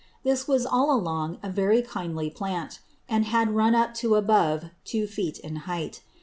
This was all along a very kindly Plant; and had run up to above two Foot in height.